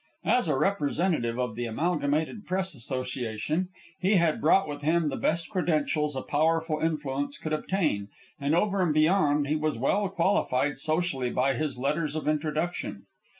As a representative of the Amalgamated Press Association, he had brought with him the best credentials a powerful influence could obtain, and over and beyond, he was well qualified socially by his letters of introduction.